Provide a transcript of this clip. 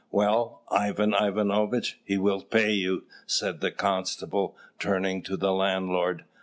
"Well, Ivan Ivanovitch, he will pay you," said the constable, turning to the landlord.